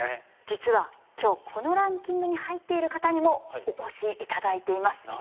実は今日このランキングに入っている方にもお越し頂いています。